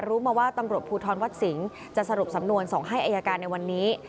รู้มาว่าตำรวจภูทรวัดสิงห์จะสรุปสำนวนส่งให้อายการในวันนี้